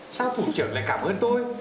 sao thủ trưởng lại cảm ơn tôi